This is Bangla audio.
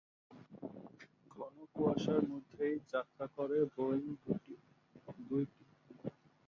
ঘন কুয়াশার মধ্যেই যাত্রা করে বোয়িং দুইটি।